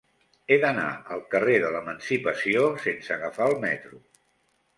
He d'anar al carrer de l'Emancipació sense agafar el metro.